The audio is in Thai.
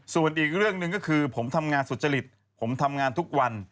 ส่วนอีกเรื่องหนึ่งก็คือผมทำงานสุจริตผมทำงานทุกวัน